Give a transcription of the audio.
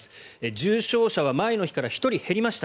重症者は前の日から１人減りました。